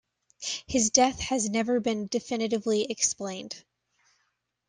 His death has never been definitively explained.